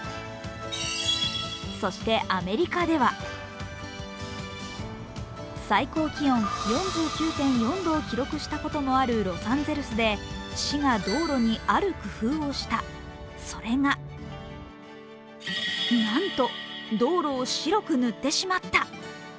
そしてアメリカでは最高気温４９．４度を記録したこともあるロサンゼルスで市が道路にある工夫をした、それがなんと道路を白く塗ってしまった。